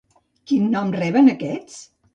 Quin nom reben aquests?